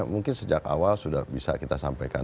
mungkin sejak awal sudah bisa kita sampaikan